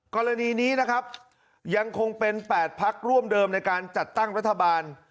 กรณีนี้นะครับยังคงเป็น๘พักร่วมเดิมในการจัดตั้งรัฐบาล